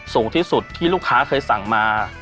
สูงที่สุดที่ลูกค้าเคยสั่งมา